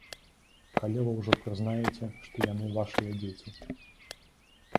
Калі вы ўжо прызнаеце, што яны вашыя дзеці?